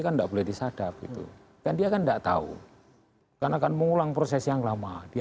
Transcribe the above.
kan enggak boleh disadap gitu kan dia kan enggak tahu kan akan mengulang proses yang lama dia